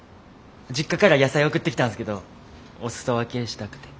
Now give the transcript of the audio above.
実家から野菜送ってきたんすけどお裾分けしたくて。